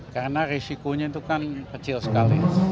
karena risikonya itu kan kecil sekali